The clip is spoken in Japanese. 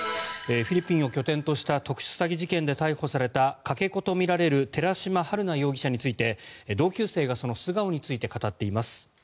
フィリピンを拠点とした特殊詐欺事件で逮捕されたかけ子とみられる寺島春奈容疑者について同級生がその素顔について語っています。